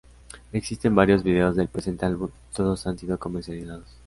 Existen varios videos del presente álbum y todos han sido comercializados.